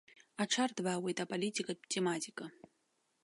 Аҽарҭбаауеит аполитикатә тематика.